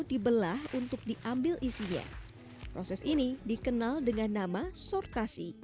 dibelah untuk diambil isinya proses ini dikenal dengan nama sortasi